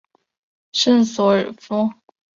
圣索尔夫。